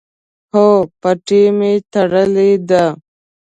هو، پټۍ می تړلې ده